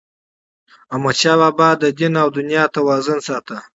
احمدشاه بابا به د دین او دنیا توازن ساته.